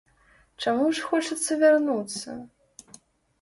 Чаму ж хочацца вярнуцца?